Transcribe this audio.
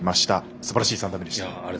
すばらしい３打目でした。